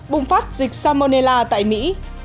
bùng phát dịch salmonella tại mỹ